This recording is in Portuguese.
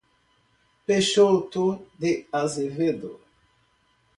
Peixoto de Azevedo